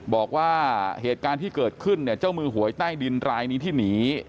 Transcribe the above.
บอกว่าเหตุการณ์ที่เกิดขึ้นเนี่ยเจ้ามือหวยใต้ดินรายนี้ที่หนี